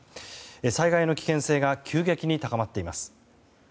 災害の危険性が急激に高まっています。